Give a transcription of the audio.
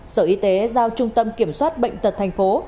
sở y tế giao trung tâm kiểm soát bệnh tật thành phố